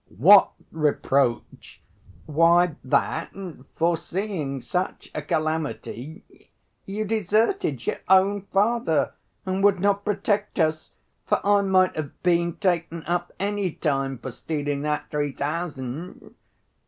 "What reproach?" "Why, that foreseeing such a calamity you deserted your own father, and would not protect us, for I might have been taken up any time for stealing that three thousand."